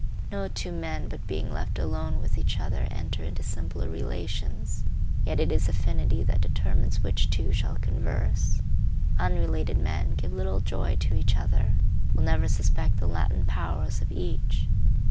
No two men but being left alone with each other enter into simpler relations. Yet it is affinity that determines which two shall converse. Unrelated men give little joy to each other, will never suspect the latent powers of each.